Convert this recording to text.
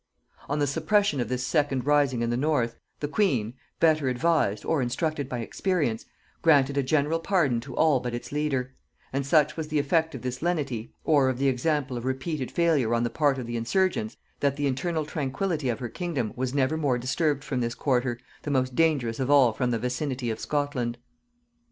"] On the suppression of this second rising in the north, the queen, better advised or instructed by experience, granted a general pardon to all but its leader; and such was the effect of this lenity, or of the example of repeated failure on the part of the insurgents, that the internal tranquillity of her kingdom was never more disturbed from this quarter, the most dangerous of all from the vicinity of Scotland.